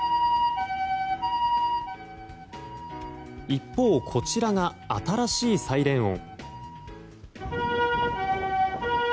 一方、こちらが新しいサイレン音。